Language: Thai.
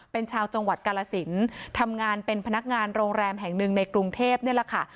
เป็นชาวจังหวัดกาลสินทำงานเป็นพนักงานโรงแรมแห่งหนึ่งในกรุงเทพนี่แหละค่ะ